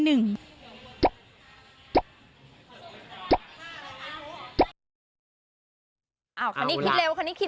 จัดเต็มคาราเบลตัดเต็มคาราเบล